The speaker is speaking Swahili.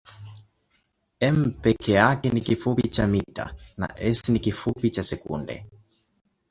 m peke yake ni kifupi cha mita na s ni kifupi cha sekunde.